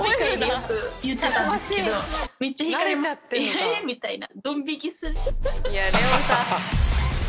「え⁉」みたいな。